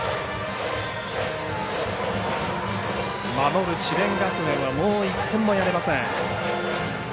守る智弁学園はもう１点もやれません。